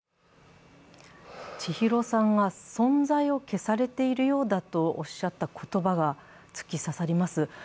千尋さんが存在を消されているようだとおっしゃった言葉が突き刺さります。